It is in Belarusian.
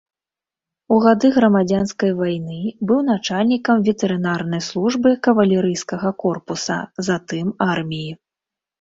У гады грамадзянскай вайны быў начальнікам ветэрынарнай службы кавалерыйскага корпуса, затым арміі.